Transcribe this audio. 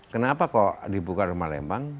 kenapa kok dibuka rumah lembang